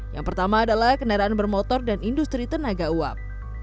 yang pertama adalah kendaraan bermotor dan industri tenaga uap